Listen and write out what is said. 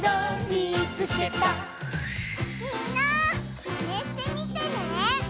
みんなマネしてみてね！